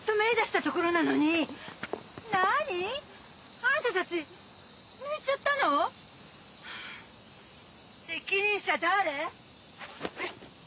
あんたたち抜いちゃったの？はあ責任者誰？